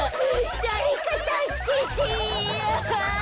だれかたすけて。